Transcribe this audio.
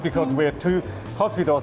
juga kami merupakan pusat penyakit kardiologis